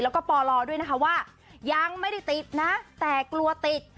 แล้วก็ปลด้วยนะคะว่ายังไม่ได้ติดนะแต่กลัวติด